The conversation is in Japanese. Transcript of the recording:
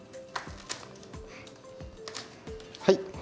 はい。